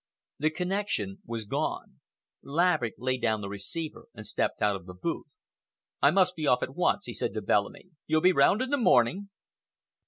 The connection was gone. Laverick laid down the receiver and stepped out of the booth. "I must be off at once," he said to Bellamy. "You'll be round in the morning?"